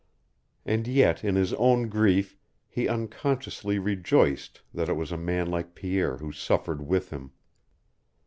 And yet in his own grief he unconsciously rejoiced that it was a man like Pierre who suffered with him.